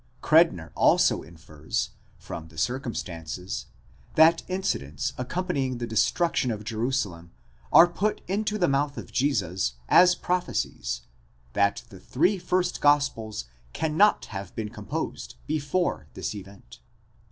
Credner also infers, from the circumstances, that incidents ac companying the destruction of Jerusalem are put into the mouth of Jesus as prophecies, that the three first gospels cannot have been composed before this event.